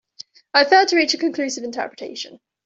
I failed to reach a conclusive interpretation.